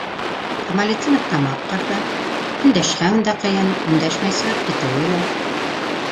Камалетдинов тамаҡ ҡырҙы, өндәшһәң дә ҡыйын, өндәшмәй сығып китеүе лә.